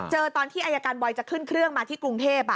ตอนที่อายการบอยจะขึ้นเครื่องมาที่กรุงเทพ